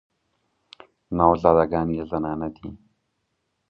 نوازنده ګان یې زنانه دي.